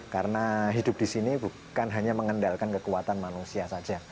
karena hidup di sini bukan hanya mengendalkan kekuatan manusia saja